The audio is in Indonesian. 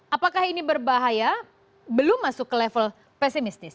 apakah ini berbahaya belum masuk ke level pesimistis